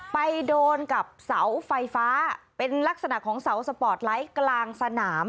ไปโดนกับเสาไฟฟ้าเป็นลักษณะของเสาสปอร์ตไลท์กลางสนาม